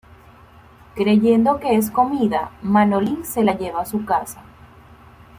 Creyendo que es comida, Manolín se la lleva a su casa.